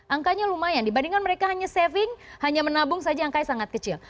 angkanya lumayan dibandingkan mereka hanya saving hanya menabung saja angkanya sangat kecil